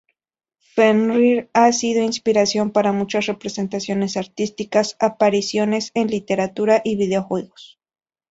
Fenrir ha sido inspiración para muchas representaciones artísticas, apariciones en literatura, y videojuegos.